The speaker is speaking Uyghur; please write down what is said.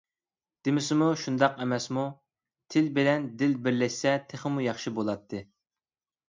دېمىسىمۇ شۇنداق ئەمەسمۇ، تىل بىلەن دىل بىرلەشسە تېخىمۇ ياخشى بولاتتى.